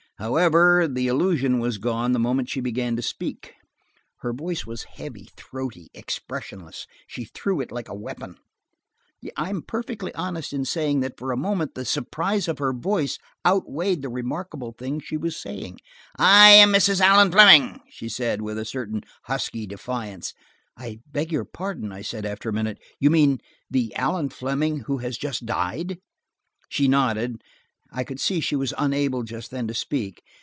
However, the illusion was gone the moment she began to speak. Her voice was heavy, throaty, expressionless. She threw it like a weapon: I am perfectly honest in saying that for a moment the surprise of her voice outweighed the remarkable thing she was saying. "I am Mrs. Allan Fleming," she said, with a certain husky defiance. "I beg your pardon," I said, after a minute. "You mean–the Allan Fleming who has just died?" She nodded. I could see she was unable, just then, to speak.